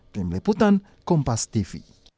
dari meliputan kompas tv